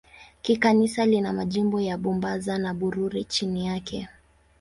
Kikanisa lina majimbo ya Bubanza na Bururi chini yake.